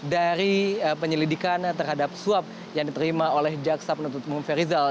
dari penyelidikan terhadap suap yang diterima oleh jaksa penuntut umum ferizal